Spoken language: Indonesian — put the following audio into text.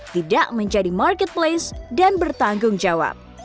tidak menjadi marketplace dan bertanggung jawab